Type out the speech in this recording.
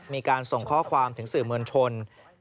มีการส่งข้อความถึงสื่อมวลชน